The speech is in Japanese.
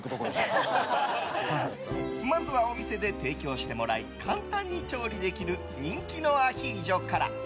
まずはお店で提供してもらい簡単に調理できる人気のアヒージョから。